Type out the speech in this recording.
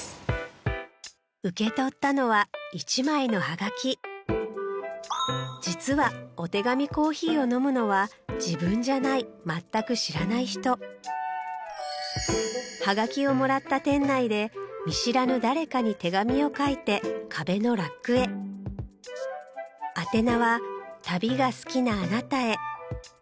受け取ったのは１枚のはがき実はお手紙コーヒーを飲むのは自分じゃない全く知らない人はがきをもらった店内で見知らぬ誰かに手紙を書いて壁のラックへ宛名は「旅が好きなあなたへ」